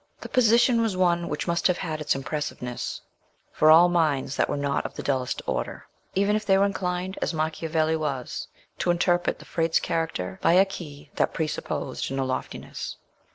The position was one which must have had its impressiveness for all minds that were not of the dullest order, even if they were inclined, as Macchiavelli was, to interpret the Frate's character by a key that presupposed no loftiness.